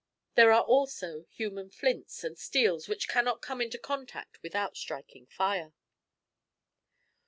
There are also human flints and steels which cannot come into contact without striking fire.